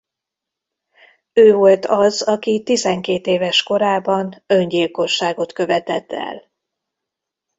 Ő volt az aki tizenkét éves korában öngyilkosságot követett el.